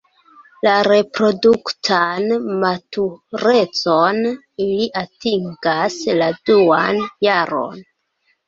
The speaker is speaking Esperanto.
La reproduktan maturecon ili atingas la duan jaron.